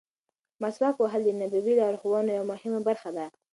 مسواک وهل د نبوي لارښوونو یوه مهمه برخه ده.